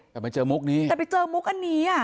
แต่มาเจอมุกนี้แต่ไปเจอมุกอันนี้อ่ะ